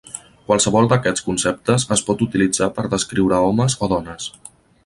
Qualsevol d'aquests conceptes es pot utilitzar per descriure homes o dones.